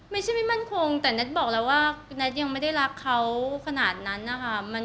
ไม่ใช่ไม่มั่นคงแต่แท็กบอกแล้วว่าแน็ตยังไม่ได้รักเขาขนาดนั้นนะคะ